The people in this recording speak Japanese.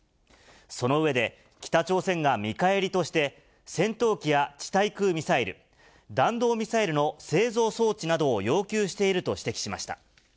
その上で、北朝鮮が見返りとして、戦闘機や地対空ミサイル、弾道ミサイルの製造装置などを要求していると指摘しました。